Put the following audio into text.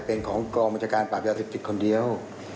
เป็นของกองบัญชาการปราบยาเสพติดคนเดียว